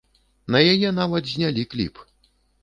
На яе нават знялі кліп.